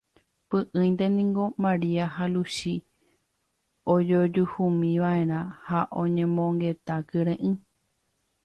Py'ỹinte niko Maria ha Luchi ojojuhúmiva'erã ha oñomongeta kyre'ỹ.